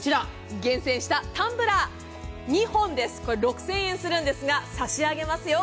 厳選したタンブラー２本で６０００円するんですが差し上げますよ。